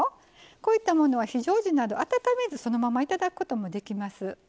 こういったものは非常時など温めずそのままいただくこともできます。